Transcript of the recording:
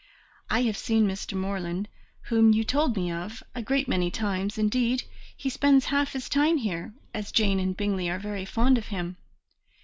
I have seen Mr. Morland, whom you told me of, a great many times; indeed, he spends half his time here, as Jane and Bingley are very fond of him.